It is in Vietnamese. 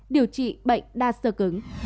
điều trị bệnh đa sơ cứng